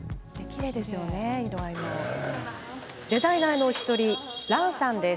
デザイナーの１人ランさんです。